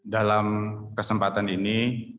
dalam kesempatan ini